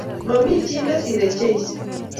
Mami chi ne siirei J esu